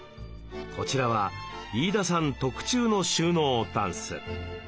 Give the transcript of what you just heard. こちらは飯田さん特注の収納ダンス。